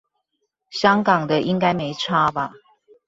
香港的應該沒差吧